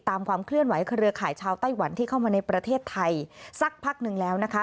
ความเคลื่อนไหวเครือข่ายชาวไต้หวันที่เข้ามาในประเทศไทยสักพักหนึ่งแล้วนะคะ